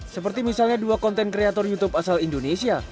seperti misalnya dua konten kreator youtube asal indonesia